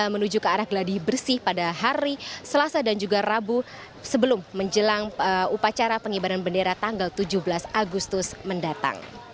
menuju ke arah geladi bersih pada hari selasa dan juga rabu sebelum menjelang upacara pengibaran bendera tanggal tujuh belas agustus mendatang